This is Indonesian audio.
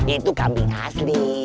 itu kambing asli